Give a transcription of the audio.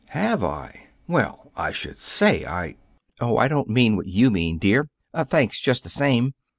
"Have I? Well, I should say I " "Oh, I don't mean what you mean, dear thanks just the same.